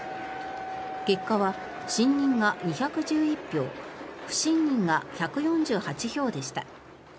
結果は信任が２１１票不信任が１４８票でした。